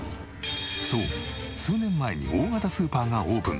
そう数年前に大型スーパーがオープン。